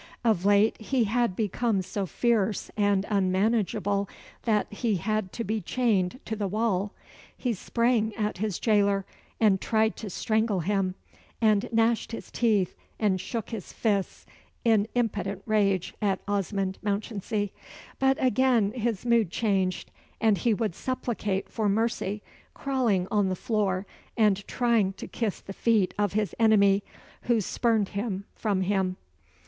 Of late, he had become so fierce and unmanageable that he had to be chained to the wall. He sprang at his jailer and tried to strangle him, and gnashed his teeth, and shook his fists in impotent rage at Osmond Mounchensey. But again his mood changed, and he would supplicate for mercy, crawling on the floor, and trying to kiss the feet of his enemy, who spurned him from him.